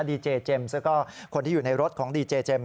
ดีเจเจมส์แล้วก็คนที่อยู่ในรถของดีเจเจมส